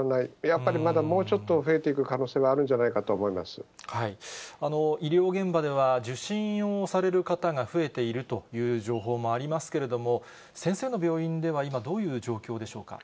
やっぱりまだもうちょっと増えていく可能性はあるんじゃないかと医療現場では、受診をされる方が増えているという情報もありますけれども、先生の病院では今、どういう状況でしょうか。